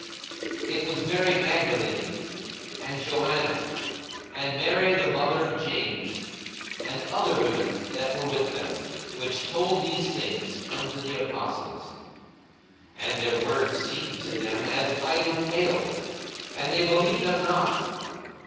42:024:010 It was Mary Magdalene and Joanna, and Mary the mother of James, and other women that were with them, which told these things unto the apostles. 42:024:011 And their words seemed to them as idle tales, and they believed them not.